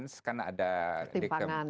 timpangan biasanya ya